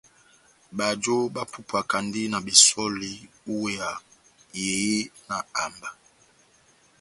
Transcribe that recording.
Bajo bapupwakandi na besὸli ó iweya yehé na amba.